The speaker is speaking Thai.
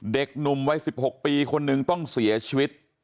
เด็กหนุ่มวัย๑๖ปีคนหนึ่งต้องเสียชีวิต